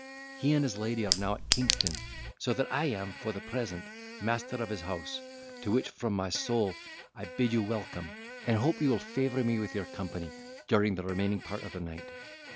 He and his lady are now at Kingston, so that I am, for the present, master of this house, to which, from my soul, I bid you welcome, and hope you will favour me with your company during the remaining part of the night."